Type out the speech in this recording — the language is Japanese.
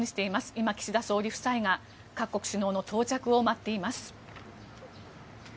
今、岸田総理夫妻が各国首脳の到着を待っています。